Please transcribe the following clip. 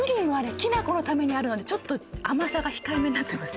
きな粉のためにあるのでちょっと甘さが控えめになってます